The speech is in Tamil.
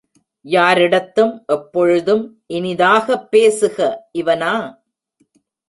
யாரிடத்தும் எப்பொழுதும் இனிதாகப் பேசுக இவனா?